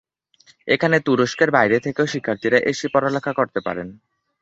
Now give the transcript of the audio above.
এখানে তুরস্কের বাইরে থেকেও শিক্ষার্থীরা এসে পড়ালেখা করতে পারেন।